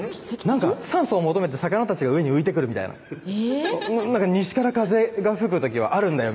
なんか酸素を求めて魚たちが上に浮いてくるみたいな「西から風が吹く時はあるんだよ」